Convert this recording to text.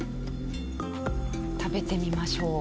食べてみましょう。